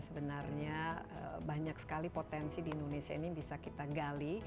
sebenarnya banyak sekali potensi di indonesia ini bisa kita gali